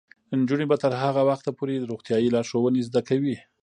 نجونې به تر هغه وخته پورې روغتیايي لارښوونې زده کوي.